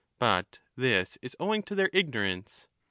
But this is owing to their ignorance.